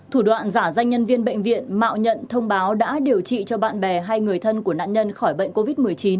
thủ đoạn giả danh nhân viên bệnh viện mạo nhận thông báo đã điều trị cho bạn bè hay người thân của nạn nhân khỏi bệnh covid một mươi chín